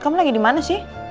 kamu lagi di mana sih